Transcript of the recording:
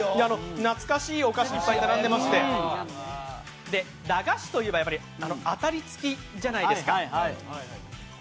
懐かしいお菓子いっぱい並んでいまして、駄菓子といえば当たり付きじゃないですか。